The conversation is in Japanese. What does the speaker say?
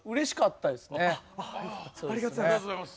ありがとうございます。